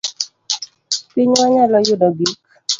Pinywa nyalo yudo gik